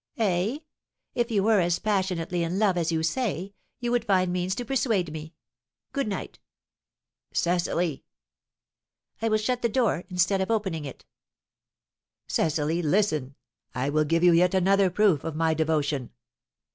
"Eh! If you were as passionately in love as you say, you would find means to persuade me. Good night!" "Cecily." "I will shut the door, instead of opening it." "Cecily, listen! I will give you yet another proof of my devotion."